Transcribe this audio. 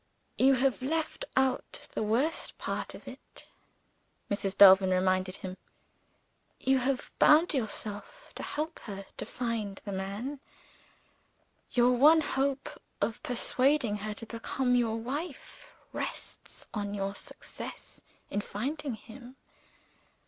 "You have left out the worst part of it," Mrs. Delvin reminded him. "You have bound yourself to help her to find the man. Your one hope of persuading her to become your wife rests on your success in finding him.